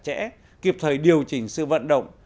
chẽ kịp thời điều chỉnh sự vận động